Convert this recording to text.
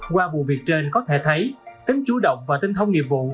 qua vụ việc trên có thể thấy tính chủ động và tinh thông nghiệp vụ